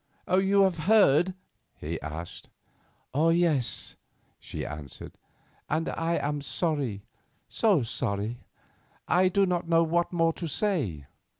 "You have heard?" he asked. "Oh, yes," she answered; "and I am sorry, so sorry. I do not know what more to say."